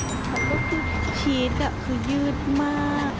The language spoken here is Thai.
ของมันก็คือชีสอะคือยืดมาก